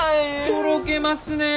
とろけますね！